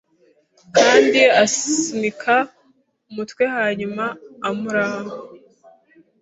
Kandi asunika umutwe hanyuma umurambo